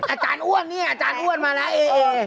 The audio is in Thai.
อาจารย์อ้วนเนี่ยอาจารย์อ้วนมาแล้วเอง